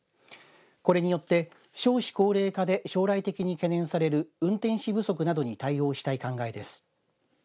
これによって少子高齢化で将来的に懸念される運転士不足などに対応したい考えです。